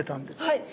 はい。